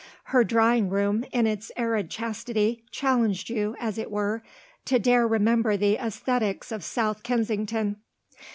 Her drawing room, in its arid chastity, challenged you, as it were, to dare remember the æsthetics of South Kensington.